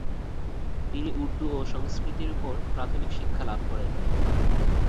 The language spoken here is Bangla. তিনি উর্দু ও সংস্কৃতের উপর প্রাথমিক শিক্ষা লাভ করেন।